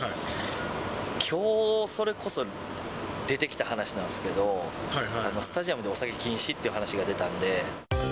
きょう、それこそ出てきた話なんですけど、スタジアムでお酒禁止っていう話が出たんで。